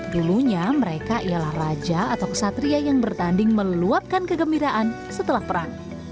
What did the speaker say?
dulunya mereka ialah raja atau kesatria yang bertanding meluapkan kegembiraan setelah perang